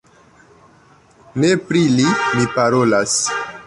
Ne pri li mi parolas!